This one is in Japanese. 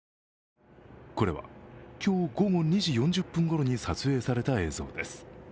これは今日午後２時４０分ごろに撮影された映像です。